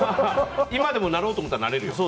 今でもなろうと思ったらなれるよ。